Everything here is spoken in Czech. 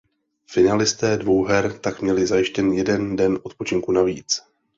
Finalisté dvouher tak měli zajištěn jeden den odpočinku navíc.